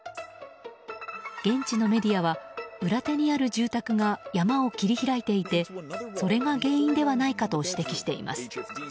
現地メディアは裏手にある住宅が山を切り開いていてそれが原因ではないかと指摘しています。